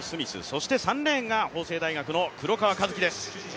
そして３レーンが法政大学の黒川和樹です。